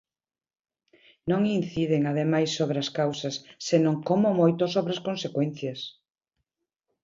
Non inciden, ademais, sobre as causas, senón como moito sobre as consecuencias.